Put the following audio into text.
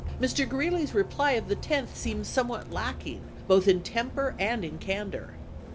Mr. Greeley's reply of the 10th seems somewhat lacking both in temper and in candor.